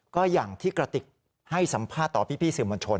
ก็อย่างที่กระติกให้สัมภาษณ์ต่อพี่สื่อมวลชน